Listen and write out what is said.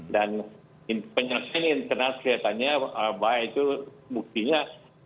dan penyelesaian internal kelihatannya baik itu buktinya